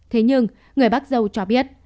thế nhưng người bác dâu cho biết